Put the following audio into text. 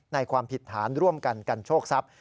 ความผิดฐานร่วมกันกันโชคทรัพย์